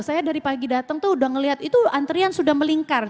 saya dari pagi datang tuh udah ngelihat itu antrian sudah melingkar